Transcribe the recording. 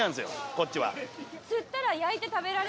こっちは。